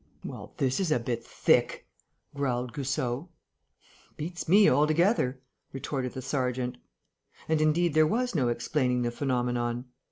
"Well, this is a bit thick!" growled Goussot. "Beats me altogether," retorted the sergeant. And indeed there was no explaining the phenomenon.